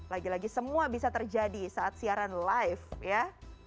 lagi lagi semua bisa terjadi saat siaran live ya